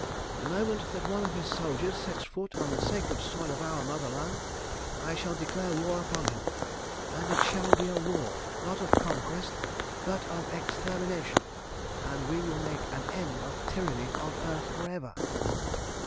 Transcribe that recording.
The moment that one of his soldiers sets foot on the sacred soil of our motherland I shall declare war upon him, and it shall be a war, not of conquest, but of extermination, and we will make an end of tyranny on earth for ever.